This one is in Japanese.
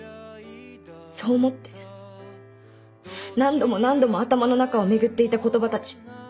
そう思って何度も何度も頭の中を巡っていた言葉たち。